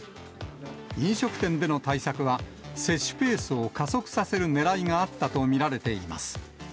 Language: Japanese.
飲食店での対策は、接種ペースを加速させるねらいがあったと見られています。